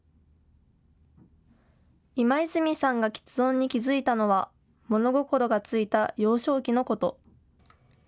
今泉さんがきつ音に気付いたのは物心が付いた幼少期のこと。